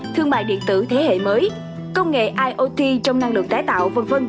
thương mại điện tử thế hệ mới công nghệ iot trong năng lượng tái tạo v v